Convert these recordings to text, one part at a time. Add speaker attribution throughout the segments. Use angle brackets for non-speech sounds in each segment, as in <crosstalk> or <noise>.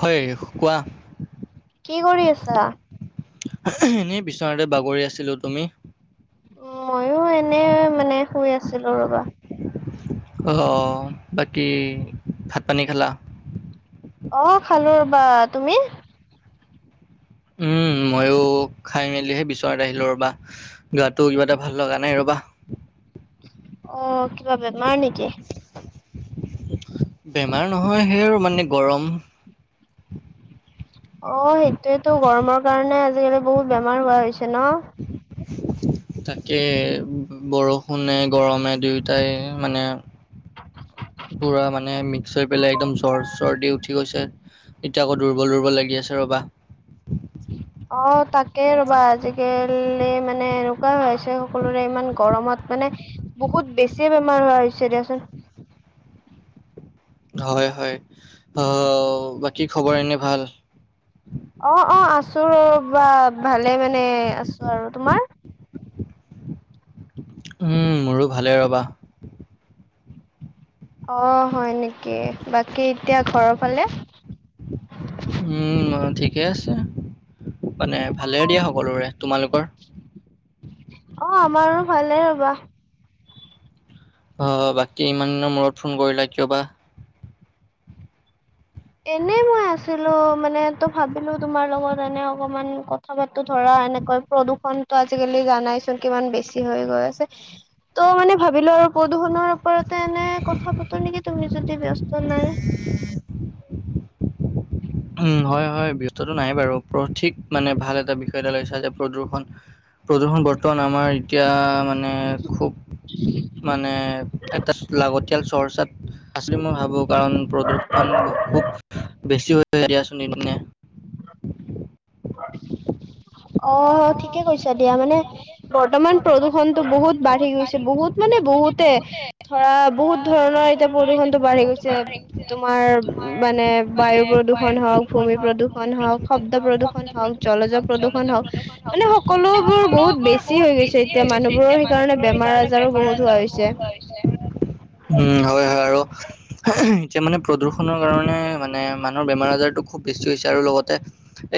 Speaker 1: হয় কোৱা। এনেই বিচনাতে বাগৰি আছিলোঁ, তুমি?
Speaker 2: মইও এনে মানে শুই আছিলোঁ ৰবা।
Speaker 1: অ', বাকী ভাত পানী খালা?
Speaker 2: অ', খালোঁ ৰবা তুমি?
Speaker 1: উম, ময়ো খাই মেলি বিচনাত আহিলোঁ ৰ'বা। গাটো কিবা এটা ভাল লগা নাই ৰবা।
Speaker 2: অ', কিবা বেমাৰ নেকি?
Speaker 1: বেমাৰ নহয় সেই আৰু মানে গৰম।
Speaker 2: অ', সেইটোয়েতো গৰমৰ কাৰণে আজিকালি বহুত বেমাৰ হোৱা হৈছে ন? উ <inaudible>
Speaker 1: তাকে বৰষুণে, গৰমে দুয়োটাই মানে পুৰা মানে মিক্স হৈ পেলাই একদম জ্বৰ চৰদি উঠি গৈছে। এতিয়া আকৌ দুৰ্বল - দুৰ্বল লাগি আছে ৰ'বা।
Speaker 2: অ' তাকেই ৰ'বা! আজিকালি মানে এনেকুৱা হৈছে সকলোৰে ইমান গৰমত মানে বহুত বেছিয়ে বেমাৰ হোৱা হৈছে দিয়াচোন।
Speaker 1: হয়, হয়, অ' বাকী খবৰ এনে ভাল?
Speaker 2: অ অ আছো ৰবা ভালে মানে আছো আৰু তোমাৰ?
Speaker 1: উম, মোৰো ভালে ৰবা।
Speaker 2: অ', হয় নেকি, বাকী এতিয়া ঘৰৰ ফালে?
Speaker 1: উম অ', ঠিকে আছে মানে ভালেই দিয়া সকলোৰে, তোমালোকৰ?
Speaker 2: অ', আমাৰো ভালে ৰবা।
Speaker 1: অ', বাকী ইমান দিনৰ মূৰত ফোন কৰিলা কিয় বা?
Speaker 2: এনেই মই আছ ছিলো মানে তো ভাবিলো তোমাৰ লগত এনে অকমান কথা পাতো ধৰা এনেকৈ প্ৰদূষণ ত আজিকালি জানাইচোন কিমান বেছি হৈ গৈ আছে ত' মানে ভাবিলো আৰু প্ৰদূষণৰ ওপৰতে এনে কথা পাতো নেকি তুমি যদি ব্যস্ত নাই?
Speaker 1: উম হয় হয় ব্যস্তটো নাই বাৰু সঠিক মানে ভাল এটা বিষয় এটা লৈছা যে প্ৰদূষণ প্ৰদূষণ বৰ্তমান আমাৰ এতিয়া মা নে খুব মানে এটা লাগতিয়াল চৰ্চাত আছিল মই ভাবো কাৰণ প্ৰদূষণ খুব বেছি হৈ এ দিয়াচোন এনে।
Speaker 2: <inaudible> অ', ঠিকে কৈছা দিয়া মানে বৰ্তমান প্ৰদূষণটো বহুত বাঢ়ি গৈছে বহুত মানে বহুতে, ধৰা বহুত ধৰণৰ এতিয়া প্ৰদূষণটো বাঢ়ি গৈছে। তোমাৰ মানে বায়ু প্ৰদূষণ হওক, ভূমি প্ৰদূষণ হওক, শব্দ প্ৰদূষণ হওক, জলজৰ প্ৰদূষণ হওঁক মানে সকলোবোৰ বহুত বেছি হৈ গৈছে এতিয়া মানুহবোৰৰ কাৰণে বেমাৰ - আজাৰো বহুত হোৱা হৈছে।
Speaker 1: উম হয় হয় আৰু এহু এতিয়া মানে প্ৰদূষণৰ কাৰণে মানে মা ধৰ বেমাৰ আজাৰটো খুব বেছি হৈছে আৰু লগতে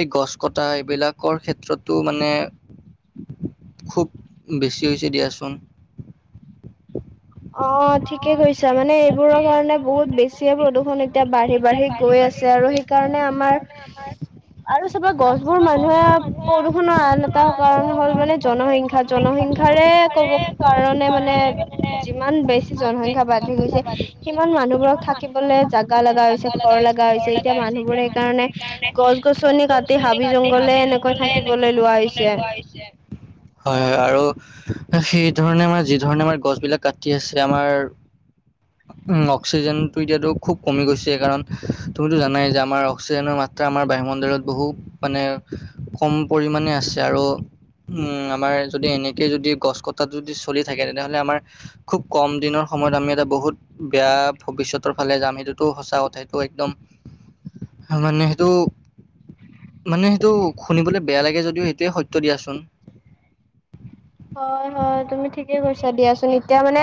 Speaker 1: এই গছ কটা এইবিলাকৰ ক্ষেত্ৰতো মানে খুব বেছি হৈছে দিয়াচোন।
Speaker 2: অ ঠিকে কৈছা, মানে এইবোৰৰ কাৰণে বহুত বেছিয়ে প্ৰদূষণ এতিয়া বাঢ়ি বাঢ়ি গৈ আছে। আৰু সেইকাৰণে আমাৰ আৰু চাবা গছবোৰ মানুহে প্ৰদূষণৰ আন এটা কাৰণ হ'ল মানে জনসংখ্যা জনসংখ্যাৰে কব কাৰণে মানে যিমান বেছি জনসংখ্যা বাঢ়ি গৈছে সিমান মানুহবোৰক থাকিবলে জাগা লাগা হৈছে ঘৰ লাগা হৈছে এতিয়া মানুহবোৰ সেইকাৰণে গছ- গছনি কাটি হাবি - জংঘলে এনেকৈ থাকিবলৈ লোৱা হৈছে।
Speaker 1: হয় হয় আৰু সেই ধৰণে আমাৰ যি ধৰণে আমাৰ গছবিলাক কাটি আছে আমাৰ উম অক্সিজেনটো এতিয়াতো খুব কমি গৈছে কাৰণ তুমিতো জানাই যে আমাৰ অক্সিজেনৰ মাত্ৰা আমাৰ বায়ুমণ্ডলত বহুতো মানে কম পৰিমাণে আছে আৰু উম আমাৰ যদি এনেকে যদি গছ কটাত যদি চলি থাকে তেনেহলে আমাৰ খুব কম দিনৰ সময়ত আমি এটা বহুত বেয়া ভৱিষ্যতৰ ফালে যাম সেইটোতো সঁচা কথা, সেইটো একদম মানে সেইটো মানে সেইটো শুনিবলৈ বেয়া লাগে যদিও সেইটোৱে সত্য দিয়াচোন।
Speaker 2: <inaudible> হয়, হয় তুমি ঠিকে কৈছা দিয়াচোন, এতিয়া মানে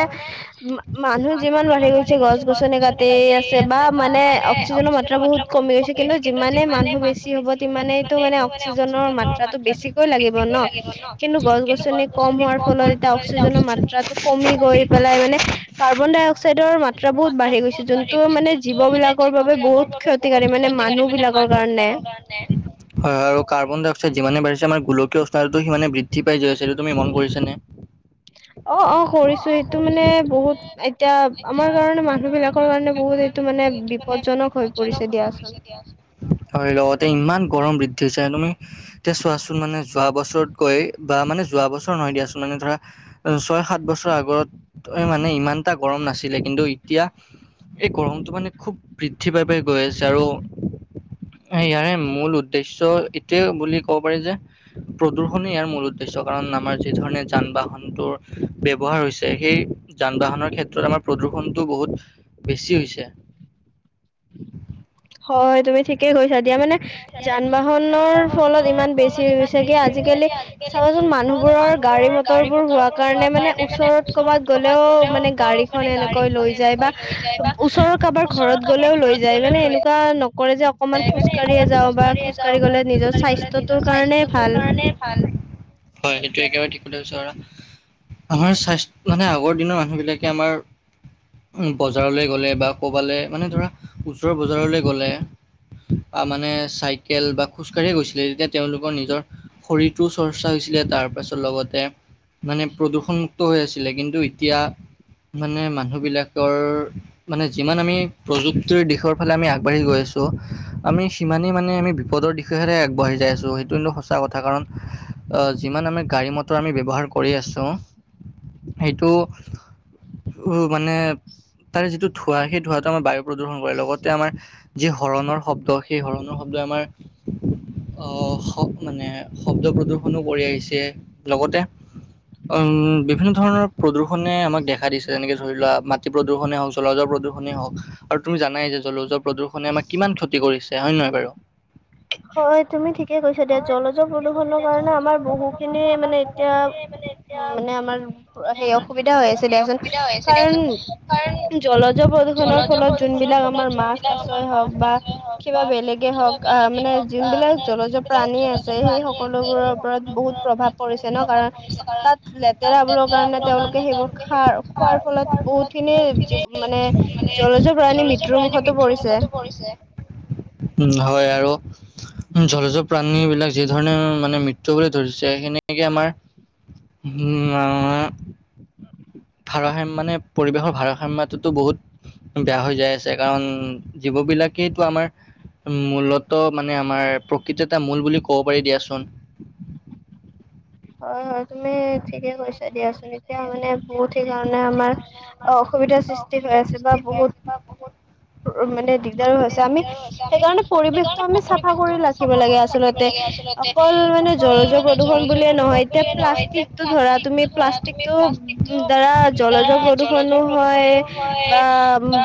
Speaker 2: মানুহ যিমান বাঢ়ি গৈছে গছ গছনি কাটি আছে বা মানে অক্সিজেনৰ মা মাত্ৰা বহুত কমি গৈছে, কিন্তু যিমানেই মানুহ বেছি হ'ব সিমানেইতটো মানে অক্সিজেনৰ মাত্ৰাটো বেছি লাগিব ন কিন্তু গছ গছনি কম হোৱাৰ ফলত এতিয়া অক্সিজেনৰ মাত্ৰাটো কমি গৈ পেলাই মানে কাৰ্বন ডাই অক্সাইডৰ মাত্ৰ ত্ৰা বহুত বাঢ়ি গৈছে, যোনটো মানে জীৱ বিলাকৰ বাবে বহুত ক্ষতিকাৰী মানে মানুহ বিলাকৰ কাৰণে।
Speaker 1: হয় -হয় আৰু কাৰ্বন ডাই অক্সাইড যিমানে বাঢ়িছে আমাৰ গোলকীয় তাতো সিমানে বৃদ্ধি পাই জৈ আছে, সেইটো তুমি মন কৰিছা নে?
Speaker 2: <inaudible> অ'অ' কৰিছো এইটো মানে বহুত এতিয়া আমাৰ কাৰণে মানুহ বিলাকৰ কাৰণে বহুত টো মানে বিপদজনক।
Speaker 1: বিজনক হৈ পৰিছে দিয়াচোন। লগতে ইমান গৰম বৃদ্ধি হৈছে তুমি এতিয়া চোৱাচোন মানে যোৱা বছৰতকৈ বা মানে যোৱা বছৰ নহয় দিয়াচোন মানে ধৰা ছয় সাত বছৰ আগতে মানে ইমান এটা গৰম নাছিলে কিন্তু এতিয়া এই গৰমটো মানে খুব বৃদ্ধিৰ পায় পায় গৈ আছে আৰু ইয়াৰে মূল উদ্দেশ্য এইটোৱে বুলি ক'ব পাৰি যে প্ৰদূৰ্ষণ ইয়াৰ মূল উদ্দেশ্য, কাৰণ আমাৰ যি ধৰণে যান বাহনটোৰ ব্যৱহাৰ হৈছে সেই যান বাহনৰ ক্ষেত্ৰত আমাৰ প্ৰদূষণটো বহুত বেছি হৈছে।
Speaker 2: হয় তুমি ঠিকেই কৈছা, দিয়া মানে যান- বাহনৰ ফলত ইমান বেছি হৈ গৈছে কি আজিকালি চাবাচোন মানুহবোৰৰ গাড়ী মটৰ বোৰ হোৱা কাৰণে মানে ওচৰত কৰ'বাত গ'লেও মানে গাড়ী মানে এনেকৈ লৈ যায় বা ওচৰৰ কাবাৰ ঘৰত গ'লেও লৈ যায়, মানে এনেকুৱা নকৰে যে অকণমান খোজ কাঢ়িয়ে যাওঁ বা খোজ কঢ়ি গ'লে নিজৰ স্বাস্থ্যটোৰ কাৰণে ভাল।
Speaker 1: হয় সেইটো একেবাৰে ঠিক <inaudible> আমাৰ স্বাস্থ্য মানে আগৰ দিনৰ মানুহবিলাকে আমাৰ বজাৰলে গ'লে বা ক'ৰবালৈ মানে ধৰা ওচৰৰ বজাৰলে গ'লে আহ মানে চাইকেল বা খোজকাঢ়িয়ে গৈছিলে তেতিয়া তেওঁলোকৰ নিজৰ শৰীৰটো চৰ্চা হৈছিলে তাৰ পাছত লগতে মানে প্ৰদূষণমুক্ত হৈ আছিলে কিন্তু এতিয়া মানে মানুহ বিলাকৰ। মানে যিমান আমি প্ৰযুক্তিৰ দিশৰ ফালে আমি আগবাঢ়ি গৈ আছো। ত' আমি সিমানেই মানে আমি বিপদৰ দিশেহে আগবাঢ়ি যাই আছোঁ সেইটো কিন্তু সঁচা কথা কাৰণ। আহ যিমান আমি গাড়ী মটৰ আমি ব্যৱহাৰ কৰি আছো সেইটো। উ মানে তাৰ যিটো ধোঁৱা সেই ধোঁৱটো আমাৰ বায়ু প্ৰদূষন কৰে লগতে আমাৰ। যি হৰণৰ শব্দ সেই হৰণৰ শব্দই আমাৰ অহ শ মানে শব্দ প্ৰদৰ্শনো কৰি আহিছে, লগতে উম বিভিন্ন ধৰণৰ প্ৰদূষণে আমাক দেখা দিছে যেনেকে ধৰি লোৱা মাটি প্ৰদূষণে হক জলাজৰ প্ৰদূৰনেই হওক, আৰু তুমি জানাই যে জলজৰ প্ৰদূৰনে আমাক কিমান ক্ষতি কৰিছে হয় নে নহয় বাৰু?
Speaker 2: <inaudible> হয় তুমি ঠিকে কৈছা, দিয়া জলজৰ প্ৰদূষণৰ কাৰণে আমাৰ বহু খিনি মানে এতিয়া মানে আমাৰ সেই অসুবিধা হৈ আছে দিয়াচোন, কাৰণ জলজৰ প্ৰদূষণৰ ফলত যোনবিলাক আমাৰ মাছ কাছই হওক বা কিবা বেলেগে হওক অ মানে যোনবিলাক জলজ প্ৰাণী আছে সেই সকলোবোৰৰ ওপৰত বহুত প্ৰভাৱ পৰিছে ন কাৰণ
Speaker 1: কৰা <unintelligible> তাত লেতেৰাবোৰৰ কাৰণে তেওঁলোকে সেইবোৰ খ খোৱাৰ ফলত বহুত খিনি মানে জলচৰ প্ৰাণীৰ মৃত্যুৰ মুখতো পৰিছে হয় আৰু। জলজৰ প্ৰাণী বিলাক যি ধৰণে মানে মৃত্যু বুলি ধৰিছে সেনেকে আমাৰ উম আ ভাৰসাম্য মানে পৰিৱেশৰ ভাৰসাম্যতাতো বহুত বেয়া হৈ যাই আছে কাৰণ জীৱ বিলাকেইটো আমাৰ। মূলত মানে আমাৰ প্ৰকৃত এটা মূল বুলি ক'ব পাৰি দিয়াচোন।
Speaker 2: হয় হয় তুমি ঠিকে কৈছা দিয়াচোন এতিয়া মানে বহুত সেই কাৰণে আমাৰ। অ' অসুবিধাৰ সৃষ্টি হৈ আছে বা বহুত মানে দিগদাৰো হৈছে আমি সেইকাৰণে পৰিৱেশটো আমি চাফা কৰি ৰাখিব লাগে আচলতে অকল মানে জলজ প্ৰদূষণ বুলিয়ে নহয় এতিয়া প্লাষ্টিকটো ধৰা তুমি প্লাষ্টিক <unintelligible> দ্বাৰা জলজ প্ৰদূষণো হয় বা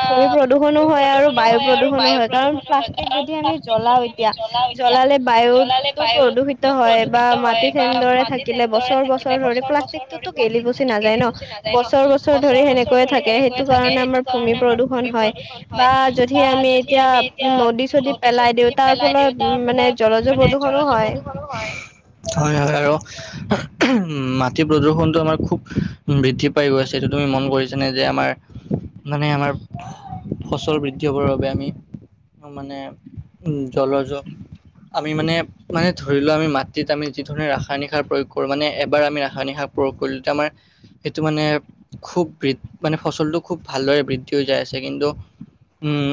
Speaker 2: ভূমি প্ৰ ষনো হয় আৰু বায়ু প্ৰদূষণো হয় কাৰণ প্লাষ্টিক যদি আমি জ্বলাও এতিয়া জ্বলালে বায়ু টো প্ৰদূষিত হয় বা মাটিত সেনদৰে থাকিলে বছৰ বছৰ ধৰি প্লাষ্টিক। টোতো গেলি পচি নাযায় ন বছৰ বছৰ ধৰি তেনেকৈয়ে থাকে। সেইটো কাৰণে আমাৰ ভূমি প্ৰদূষণ হয় বা যদি আমি এতিয়া নদী চদী পেলাই দিও তাৰ ফলত মানে জলজ প্ৰদূষণো হয়।
Speaker 1: হয়- হয় আৰু উম, মাটি প্ৰদূ্ষনটো আমাৰ খুব বৃদ্ধি পাই গৈছে এইটো তুমি মন কৰিছা নে যে আমাৰ মানে আমাৰ ফচল বৃদ্ধি হবৰ বাবে আমি অ, মানে উম, জলজ আমি মানে -মানে ধৰি লোৱা আমি মাটিত আমি যি ধৰণে ৰাসায়নিক সাৰ প্ৰয়োগ কৰোঁ মানে এবাৰ আমি ৰাসায়নিক সাৰ প্ৰকুল তামাৰ সেইটো মানে খুব বৃ মানে ফচলটো খুব ভালদৰে বৃদ্ধি হৈ যায় আছে কিন্তু উম,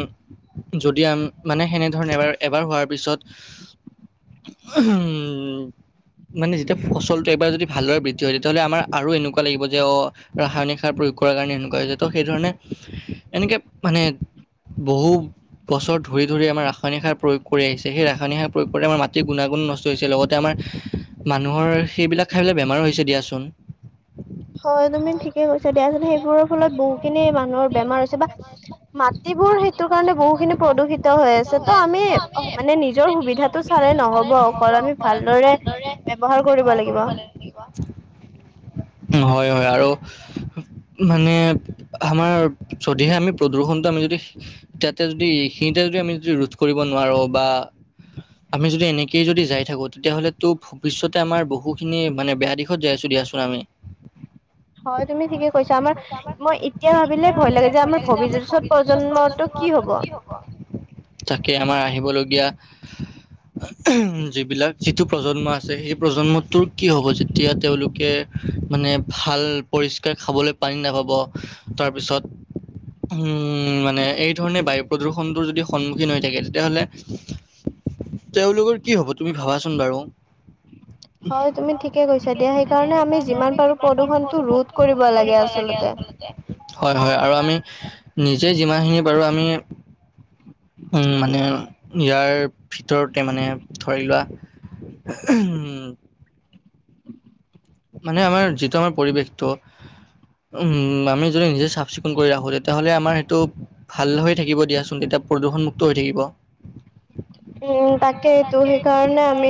Speaker 1: যদি আম মানে সেনেধৰণে এবাৰ -এবাৰ হোৱাৰ পিছত <unintelligible> মানে যেতিয়া ফচলটো এবাৰ যদি ভালদৰে বৃদ্ধি হয় তেতিয়াহ'লে আমাৰ আৰু এনেকুৱা লাগিব যে অ ৰাসায়নিক সাৰ প্ৰয়োগ কৰাৰ কাৰণে এনেকুৱা হৈছে ত' সেই ধৰণে এনেকে মানে বহু বছৰ ধৰি -ধৰি আমাৰ ৰাসায়নিক সাৰ প্ৰয়োগ কৰি আহিছে সেই ৰাসায়নিক সাৰ প্ৰয়োগ কৰি আমাৰ মাটিৰ গুণাগুণ নষ্ট ষ্ট হৈছে লগতে আমাৰ মানুহৰ সেইবিলাক খাই পেলাই বেমাৰো হৈছে দিয়াচোন।
Speaker 2: হয় তুমি ঠিকে কৈছা দিয়াছোন সেইবোৰৰ ফলত বহুখিনি মানুহৰ বেমাৰ হৈছে বা মাটিবোৰ সেইটোৰ কাৰণে বহু খিনি প্ৰদূষিত হৈ আছে ত' আমি মানে নিজৰ সুবিধাত ত'চালে নহব অকল আমি ভালদৰে ব্যৱহাৰ কৰিব লাগিব।
Speaker 1: উম, হয়- হয় আৰু মানে আমাৰ যদিহে আমি প্ৰদূষণটো আমি যদি তাতে যদি এইখিনিতে যদি আমি যদি ৰোধ কৰিব নোৱাৰো বা আমি যদি এনেকেই যদি যাই থাকো তেতিয়াহ'লে তো ভৱিষ্যতে আমাৰ বহুখিনি মানে বেয়া দিশত যাই আছোঁ দিয়াচোন আমি।
Speaker 2: হয় তুমি ঠিকে কৈছা আমাৰ মই এতিয়া ভাবিলে ভয় লাগে যে আমাৰ ভবিজ্ৰসত প্ৰজন্মটো কি হ'ব।
Speaker 1: তাকে আমাৰ আহিবলগীয়া যিবিলাক যিটো প্ৰজন্ম আছে সেই প্ৰজন্মটোৰ কি হ'ব যেতিয়া তেওঁলোকে মানে ভাল পৰিষ্কাৰ খাবলৈ পানী নাপাব তাৰপিছত হ, মানে এই ধৰণে বায়ু প্ৰদূৰষণটোৰ যদি সন্মুখীন হৈ থাকে তেতিয়াহ'লে
Speaker 2: <inaudible>
Speaker 1: তেওঁলোকৰ কি হ'ব তুমি ভাবাচোন বাৰু?
Speaker 2: হয় তুমি ঠিকে কৈছা দিয়া সেইকাৰণে আমি যিমান পাৰো প্ৰদূষণটো ৰোধ কৰিব লাগে আচলতে।
Speaker 1: হয়- হয় আৰু আমি নিজে যিমানখিনি পাৰো আমি উম, মানে ইয়াৰ ভিতৰতে মানে ধৰি লোৱা <unintelligible>
Speaker 2: <inaudible>
Speaker 1: মানে আমাৰ যিটো আমাৰ পৰিৱেশটো উম, আমি যদি নিজে চাফ চিকুণ কৰি ৰাখো তেতিয়াহ'লে আমাৰ সেইটো ভাল হৈ থাকিব দিয়াচোন তেতিয়া প্ৰদূষণমুক্ত হৈ থাকিব।
Speaker 2: <inaudible> উম, তাকেইটো সেইকাৰণে আমি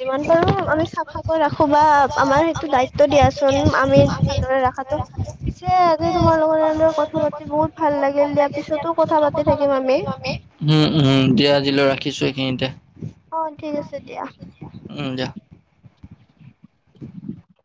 Speaker 2: যিমান পাৰো আমি চাফাকৈ ৰাখো বা আমাৰ সেইটো দায়িত ত' দিয়াচোন আমি ভালদৰে ৰাখাতো পিছে আজি তোমাৰ লগত আৰু কথা পাতি বহুত ভাল লাগিল দিয়াৰ পিছতো কথা পাতি থাকিম আমি।
Speaker 1: উম, উম, উম, এতিয়া আজিলৈ ৰাখিছো এইখিনিতে।
Speaker 2: অঁ ঠিক আছে দিয়া।
Speaker 1: উম, যা <inaudible>